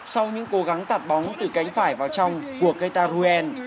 sau những cố gắng tạt bóng từ cánh phải vào trong của keita ruen